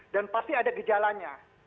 dan pasti ada gejalanya